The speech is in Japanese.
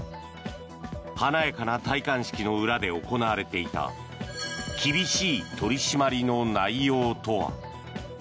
華やかな戴冠式の裏で行われていた厳しい取り締まりの内容とは。